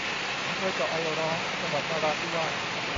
อำเภอเจาะไอร้อง จังหวัดนราธิวาส